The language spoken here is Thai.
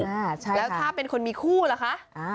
แล้วถ้าเป็นคนมีคู่ล่ะคะ